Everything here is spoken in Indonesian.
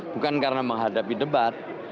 bukan karena menghadapi debat